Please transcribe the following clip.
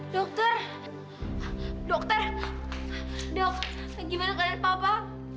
dokter dokter dok gimana keadaan papa